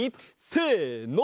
せの。